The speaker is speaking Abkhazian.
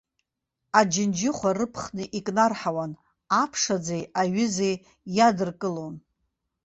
Аџьынџьыхәа рыԥхны икнарҳауан, аԥшаӡеи аҩызи иадыркылон.